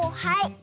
はい。